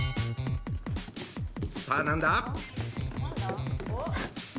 さあ何だ？